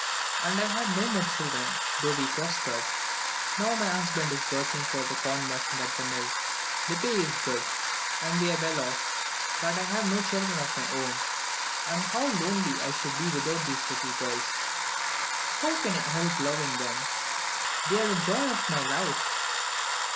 And I had no more children, though we prospered. Now my husband is working for the corn merchant at the mill. The pay is good, and we are well off. But I have no children of my own, and how lonely I should be without these little girls! How can I help loving them! They are the joy of my life!"